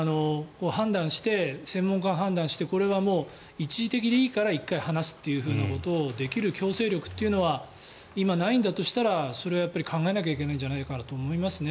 専門家が判断してこれは一時的でいいから１回離すということをできる強制力というのは今、ないんだとしたらそれは考えなきゃいけないんじゃないかと思いますね。